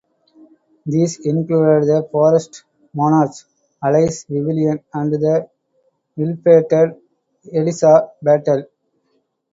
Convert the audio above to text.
These included the "Forest Monarch", "Alice Vivian", and the ill-fated "Eliza Battle".